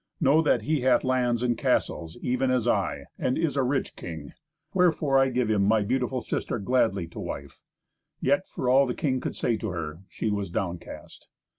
Know that he hath lands and castles even as I, and is a rich king; wherefore I give him my beautiful sister gladly to wife." Yet, for all the king could say to her, she was downcast.